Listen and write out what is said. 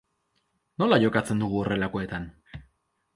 Nola jokatzen dugu horrelakoetan?